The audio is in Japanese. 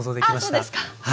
あそうですか。